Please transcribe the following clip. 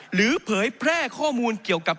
เผยแพร่ข้อมูลเกี่ยวกับ